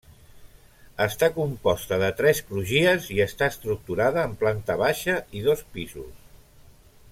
Està composta de tres crugies i està estructurada en planta baixa i dos pisos.